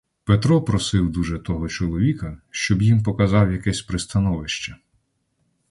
Петро просив дуже того чоловіка, щоб їм показав якесь пристановище.